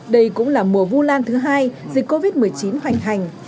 đây cũng là mùa vu lan thứ hai dịch covid một mươi chín hoành hành